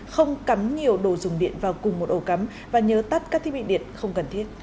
không cắm nhiều đồ dùng điện vào cùng một ổ cắm và nhớ tắt các thiết bị điện không cần thiết